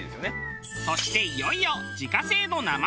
そしていよいよ自家製の生麺。